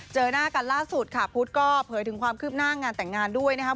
เจอหน้ากันล่าสุดค่ะพุทธก็เผยถึงความคืบหน้างานแต่งงานด้วยนะครับ